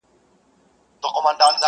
• يو بل هلک چوپ پاتې کيږي,